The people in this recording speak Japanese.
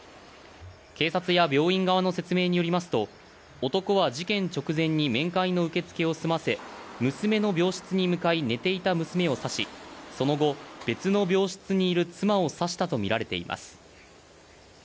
警察や病院側の説明によりますと男は事件直前に面会の受付を済ませ娘の病室に向かい寝ていた娘を刺しその後別の病室にいる妻を刺したとみられています